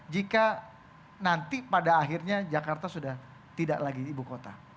jika nanti pada akhirnya jakarta sudah tidak lagi ibu kota